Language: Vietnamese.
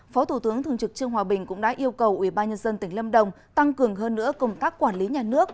phó thủ tướng thường trực trương hòa bình cũng đã yêu cầu ubnd tỉnh lâm đồng tăng cường hơn nữa công tác quản lý nhà nước